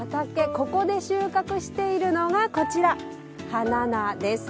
ここで収穫しているのが花菜です。